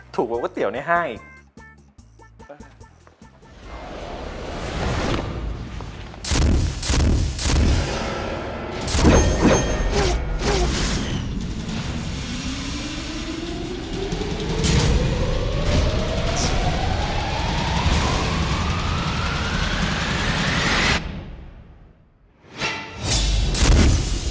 ถูกบอกว่าเตี๋ยวในห้าอีก